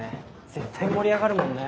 絶対盛り上がるもんね。